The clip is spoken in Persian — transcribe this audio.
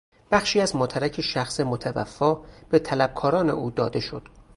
بخشی از ماترک شخص متوفی به طلبکاران او داده شد.